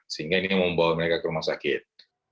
sehingga ini yang membawa mereka ke rumah sakit